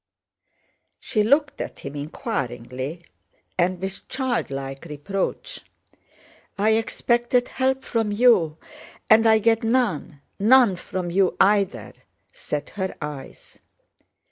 She looked at him inquiringly and with childlike reproach. "I expected help from you and I get none, none from you either!" said her eyes.